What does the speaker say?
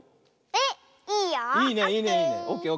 えっいいよ。